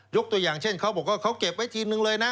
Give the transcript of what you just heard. ตัวอย่างเช่นเขาบอกว่าเขาเก็บไว้ทีมหนึ่งเลยนะ